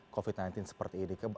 covid sembilan belas seperti ini